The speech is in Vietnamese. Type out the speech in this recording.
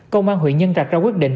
công an huyện nhân trạch ra quyết định